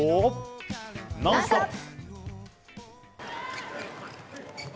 「ノンストップ！」。